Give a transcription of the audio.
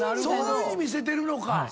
そういう見せてるのか。